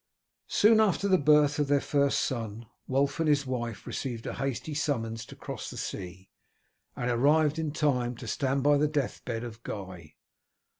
Soon after the birth of their first son Wulf and his wife received a hasty summons to cross the sea, and arrived in time to stand by the death bed of Guy.